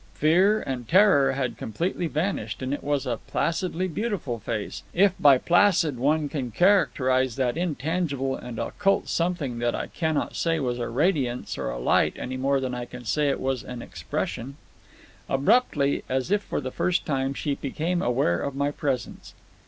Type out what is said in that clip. Fear and terror had completely vanished, and it was a placidly beautiful face—if by "placid" one can characterize that intangible and occult something that I cannot say was a radiance or a light any more than I can say it was an expression. Abruptly, as if for the first time, she became aware of my presence.